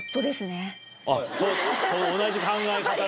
同じ考え方のな。